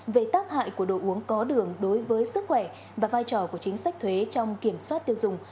về tác hại của đồ uống có đường đối với sức khỏe và vai trò của chính sách thuế trong kiểm soát tiêu dùng